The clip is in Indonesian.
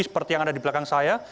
seperti yang ada di belakang saya